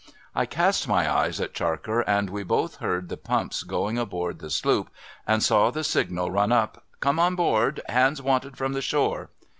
I cast my eyes at Charker, and we both heard the pumps going al)oard the sloop, and saw the signal run up, ' Come on board ; hands wanted from the shore.'